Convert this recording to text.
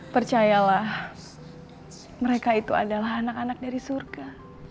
percayalah mereka itu adalah anak anak dari surga